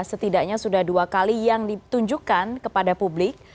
setidaknya sudah dua kali yang ditunjukkan kepada publik